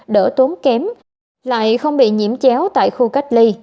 đỡ tốn kém lại không bị nhiễm chéo tại khu cách ly